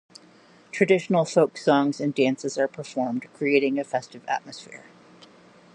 Traditional folk songs and dances are performed, creating a festive atmosphere.